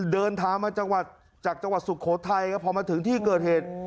เดินทางมาจังหวัดจากจังหวัดสุกโหดไทยก็พอมาถึงที่เกิดเหตุ